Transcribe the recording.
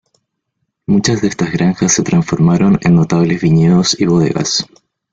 Muchas de estas granjas se transformaron en notables viñedos y bodegas.